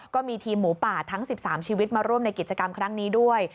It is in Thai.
ก็มีทีมหมูป่าทั้ง๑๓ชีวิตมาร่วมในกิจกรรมครั้งนี้ด้วย